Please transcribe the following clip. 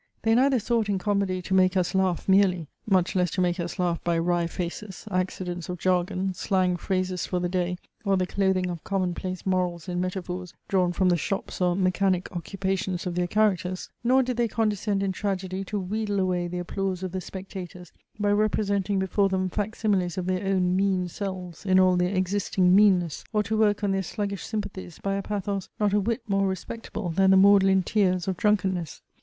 They neither sought in comedy to make us laugh merely, much less to make us laugh by wry faces, accidents of jargon, slang phrases for the day, or the clothing of commonplace morals in metaphors drawn from the shops or mechanic occupations of their characters; nor did they condescend in tragedy to wheedle away the applause of the spectators, by representing before them fac similes of their own mean selves in all their existing meanness, or to work on their sluggish sympathies by a pathos not a whit more respectable than the maudlin tears of drunkenness.